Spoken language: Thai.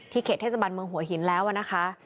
เขตเทศบันเมืองหัวหินแล้วนะคะ